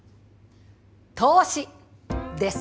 投資です。